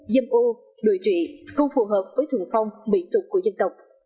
dâm ô đùi trị không phù hợp với thường phong bị tục của dân tộc